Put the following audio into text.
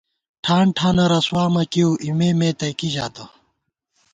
ٹھان ٹھانہ رسوا مہ کېئیؤ ، اِمے مے تئ کِی ژاتہ